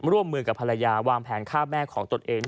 ร่วมมือกับภรรยาวางแผนฆ่าแม่ของตนเอง